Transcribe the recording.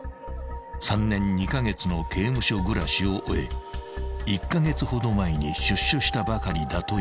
［３年２カ月の刑務所暮らしを終え１カ月ほど前に出所したばかりだという］